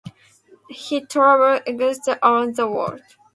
He travelled extensively around the world.